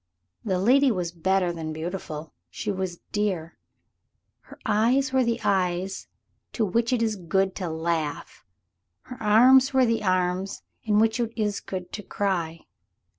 The lady was better than beautiful, she was dear. Her eyes were the eyes to which it is good to laugh her arms were the arms in which it is good to cry.